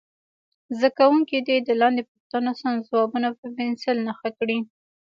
زده کوونکي دې د لاندې پوښتنو سم ځوابونه په پنسل نښه کړي.